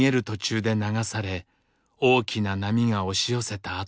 途中で流され大きな波が押し寄せた